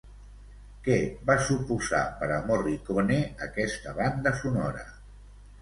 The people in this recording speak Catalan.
Què va suposar per a Morricone aquesta banda sonora?